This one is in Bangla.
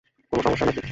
কোনো সমস্যা নাকি?